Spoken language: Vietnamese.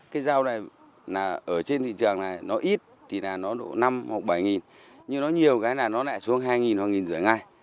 cái rào này ở trên thị trường này nó ít thì nó độ năm hoặc bảy nghìn nhưng nó nhiều cái là nó lại xuống hai nghìn hoặc nghìn rưỡi ngay